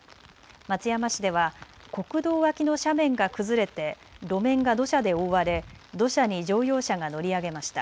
松山市では国道脇の斜面が崩れて路面が土砂で覆われ土砂に乗用車が乗り上げました。